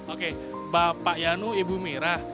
oke bapak yanu ibu mira